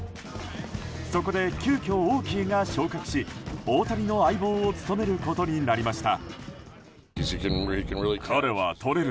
そこで急きょ、オーキーが昇格し大谷の相棒を務めることになりました。